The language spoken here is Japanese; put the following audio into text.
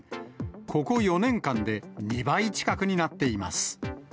ここ４年間で２倍近くになっています。